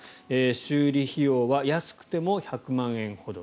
修理費用は安くても１００万円ほど。